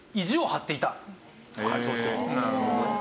なるほどね。